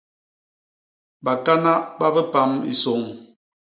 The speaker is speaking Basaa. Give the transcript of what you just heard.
Bakana ba bipam i sôñ.